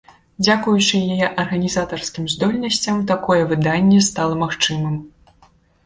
Дзякуючы яе арганізатарскім здольнасцям такое выданне стала магчымым.